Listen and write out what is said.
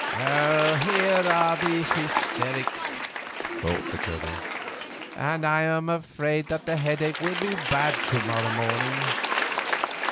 "Here are the hysterics," thought the Colonel, "and I am afraid that the headache will be bad to morrow morning."